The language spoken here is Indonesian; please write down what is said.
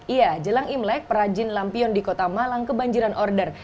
iya jelang imlek perajin lampion di kota malang kebanjiran order